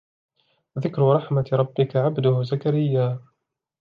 ذِكْرُ رَحْمَتِ رَبِّكَ عَبْدَهُ زَكَرِيَّا